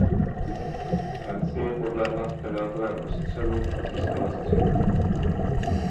Francie podlehla v penaltovém rozstřelu a získala stříbro.